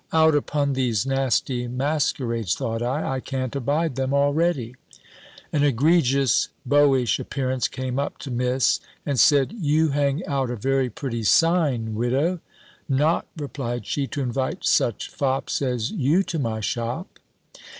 "Out upon these nasty masquerades!" thought I; "I can't abide them already!" An egregious beauish appearance came up to Miss, and said, "You hang out a very pretty sign, Widow." "Not," replied she, "to invite such fops as you to my shop."